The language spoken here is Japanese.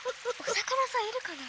おさかなさんいるかな？